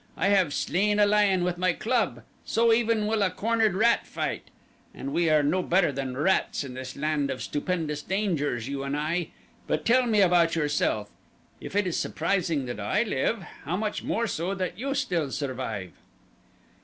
I have slain a lion with my club. So even will a cornered rat fight. And we are no better than rats in this land of stupendous dangers, you and I. But tell me about yourself. If it is surprising that I live, how much more so that you still survive."